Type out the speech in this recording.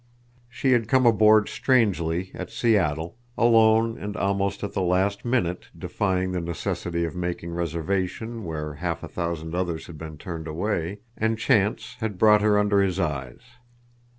She had come aboard strangely at Seattle, alone and almost at the last minute—defying the necessity of making reservation where half a thousand others had been turned away—and chance had brought her under his eyes.